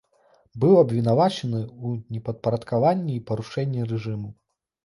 Быў абвінавачаны ў непадпарадкаванні і парушэнні рэжыму.